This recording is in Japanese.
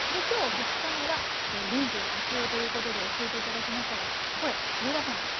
今日２日目はレンジを活用ということで教えて頂きましたがこれ上田さん